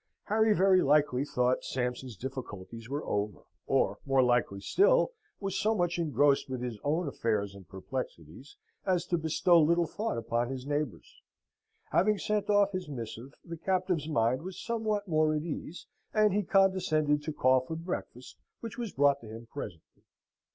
Harry very likely thought Sampson's difficulties were over; or, more likely still, was so much engrossed with his own affairs and perplexities, as to bestow little thought upon his neighbour's. Having sent off his missive, the captive's mind was somewhat more at ease, and he condescended to call for breakfast, which was brought to him presently.